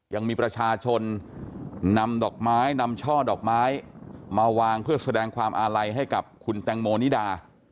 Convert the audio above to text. ยังมีประชาชนนำดอกไม้นำช่อดอกไม้มาวางเพื่อแสดงความอาลัยให้กับคุณแตงโมนิดา